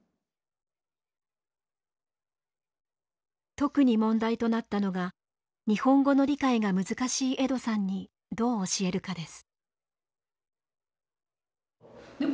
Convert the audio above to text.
特に問題となったのが日本語の理解が難しいエドさんにどう教えるかです。